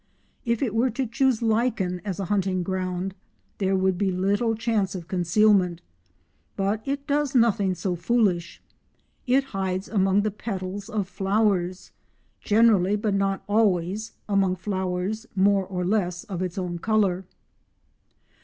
If it were to choose lichen as a hunting ground there would be little chance of concealment, but it does nothing so foolish:—it hides among the petals of flowers, generally, but not always, among flowers more or less of its own colour.